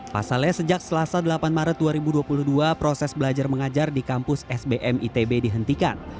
pasalnya sejak selasa delapan maret dua ribu dua puluh dua proses belajar mengajar di kampus sbm itb dihentikan